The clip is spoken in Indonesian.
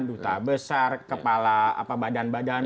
bintang tiga besar kepala badan badan